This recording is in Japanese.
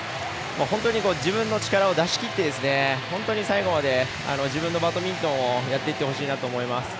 自分の力を出しきって最後まで自分のバドミントンやっていってほしいなと思います。